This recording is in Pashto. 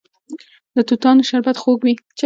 د توتانو شربت خوږ وي.